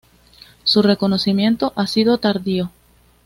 Su reconocimiento ha sido tardío.